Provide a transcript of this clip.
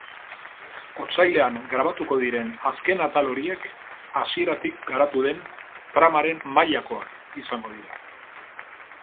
Otsailean grabatuko diren azken atal horiek hasieratik garatu den tramaren mailakoak izango dira.